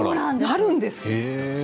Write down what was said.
なるんです。